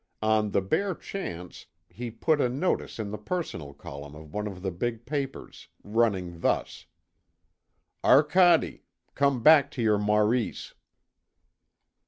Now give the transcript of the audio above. On the bare chance, he put a notice in the personal column of one of the big papers, running thus: "Arcade. Come back to your Maurice."